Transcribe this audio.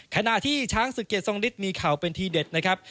ขณะที่ช้างศึกเกียรทรงฤทธิมีเข่าเป็นทีเด็ดนะครับ